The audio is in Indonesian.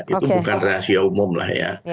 itu bukan rahasia umum lah ya